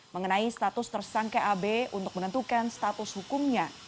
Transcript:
mengenai status tersangka ab untuk menentukan status hukumnya